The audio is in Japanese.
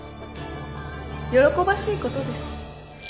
喜ばしいことです。